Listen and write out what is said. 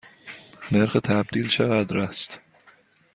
نرخ تبدیل چقدر است؟